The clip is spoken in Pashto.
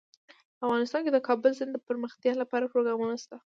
افغانستان کې د کابل سیند دپرمختیا لپاره پروګرامونه شته.